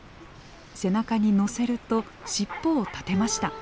背中に乗せると尻尾を立てました。